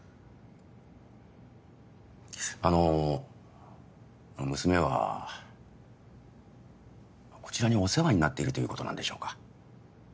あの娘はこちらにお世話になっているということなんでしょうか？